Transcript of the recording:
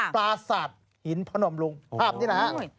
ปราสาทหินพนมลุงภาพนี้นะครับนี่นะฮะ